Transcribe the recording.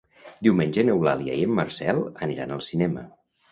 Diumenge n'Eulàlia i en Marcel aniran al cinema.